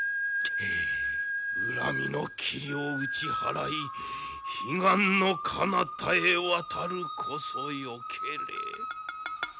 恨みの霧を打ち払い彼岸のかなたへ渡るこそよけれ。